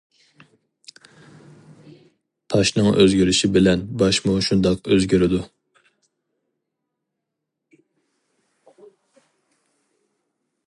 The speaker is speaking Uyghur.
تاشنىڭ ئۆزگىرىشى بىلەن باشمۇ شۇنداق ئۆزگىرىدۇ.